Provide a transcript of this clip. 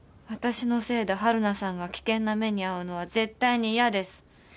私のせいで晴汝さんが危険な目に遭うのは絶対に嫌です。